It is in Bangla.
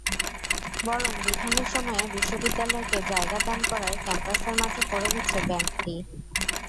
বরং বিভিন্ন সময়ে বিশ্ববিদ্যালয়কে জায়গা দান করায় ক্যাম্পাসের মাঝে পড়ে গেছে ব্যাংকটি।